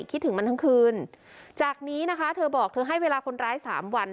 คิดถึงมันทั้งคืนจากนี้นะคะเธอบอกเธอให้เวลาคนร้ายสามวัน